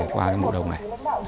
qua mùa đông này